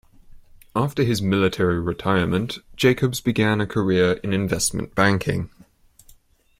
After his military retirement, Jacobs began a career in investment banking.